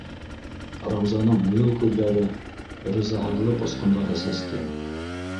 - Раузаның муйыл күҙҙәре ризаһыҙлыҡ осҡондары сәсте.